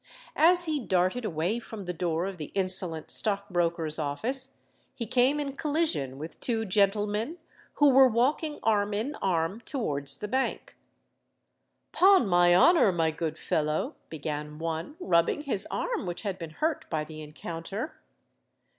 As he darted away from the door of the insolent stockbroker's office, he came in collision with two gentlemen who were walking arm in arm towards the Bank. "'Pon my honour, my good fellow——" began one, rubbing his arm which had been hurt by the encounter.